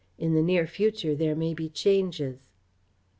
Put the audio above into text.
In the near future there may be changes."